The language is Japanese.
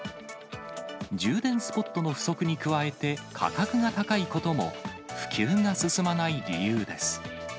充電スポットの不足に加えて、価格が高いことも、普及が進まない理由です。